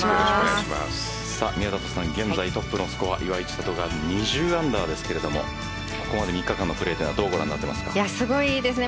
宮里さん、現在トップのスコア岩井千怜が２０アンダーですがここまで３日間のプレーはすごいですね。